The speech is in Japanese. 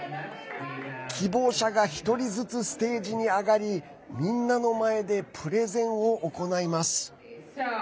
希望者が１人ずつステージに上がりみんなの前でプレゼンを行います。